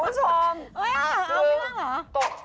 โอ้โหพี่กิ๊กคุณผู้ชม